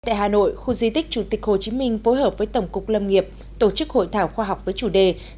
tại hà nội khu di tích chủ tịch hồ chí minh phối hợp với tổng cục lâm nghiệp tổ chức hội thảo khoa học với chủ đề